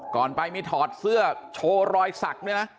ก่อนไปมีถอดเสื้อโชว์รอยสักด้วยนะ